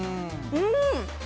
うん！